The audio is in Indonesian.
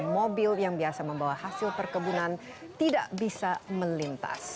mobil yang biasa membawa hasil perkebunan tidak bisa melintas